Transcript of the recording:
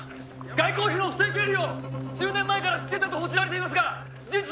外交費の不正経理を１０年前から知っていたと報じられていますが事実なんですか？」